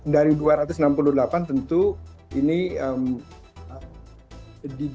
dari dua ratus enam puluh delapan tentu ini